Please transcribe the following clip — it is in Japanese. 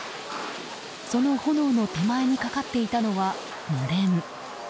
その炎の手前にかかっていたのはのれん。